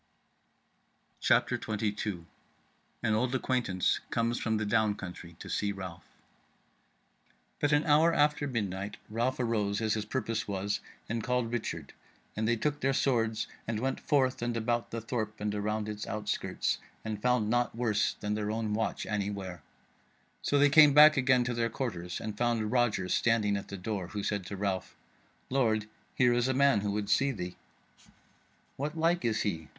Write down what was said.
CHAPTER 22 An Old Acquaintance Comes From the Down Country to See Ralph But an hour after midnight Ralph arose, as his purpose was, and called Richard, and they took their swords and went forth and about the thorp and around its outskirts, and found naught worse than their own watch any where; so they came back again to their quarters and found Roger standing at the door, who said to Ralph: "Lord, here is a man who would see thee." "What like is he?"